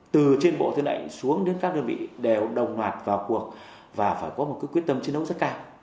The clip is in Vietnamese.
từ trên bộ tư lệnh xuống đến các đơn vị đều đồng hoạt vào cuộc và phải có quyết tâm chiến đấu rất cao